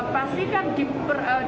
pasti kan di dokumen ini